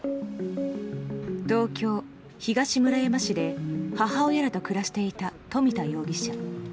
東京・東村山市で母親らと暮らしていた冨田容疑者。